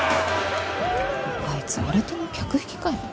あいつ新手の客引きかよ。